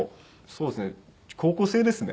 そうですよね。